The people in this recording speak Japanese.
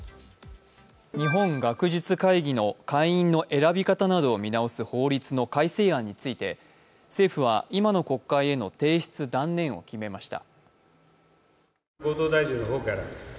日本学術会議の会員の選び方などを見直す法律の改正案について政府は今の国会への提出断念を決めました。